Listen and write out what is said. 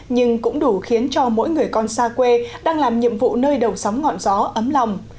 nhưng cũng đủ khiến cho mỗi người con xa quê đang làm nhiệm vụ nơi đầu sóng ngọn gió ấm lòng